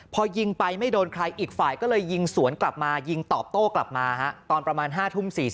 พอยิงไปไม่โดนใครอีกฝ่ายก็เลยยิงสวนกลับมายิงตอบโต้กลับมาตอนประมาณ๕ทุ่ม๔๐